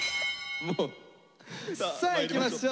さあいきましょう。